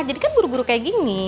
jadi kan buru buru kayak gini